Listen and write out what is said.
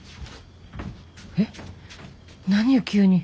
えっ何よ急に。